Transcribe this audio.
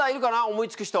思いつく人。